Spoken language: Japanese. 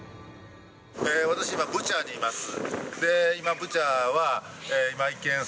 私は今、ブチャにいます。